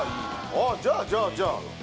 あぁじゃあじゃあじゃあ。